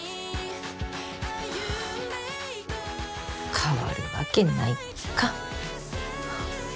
変わるわけないか。